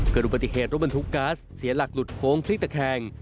กระดูกปฏิเขตรถบรรทุกกัสเสียหลักหลุดโค้งคลิกตะแคง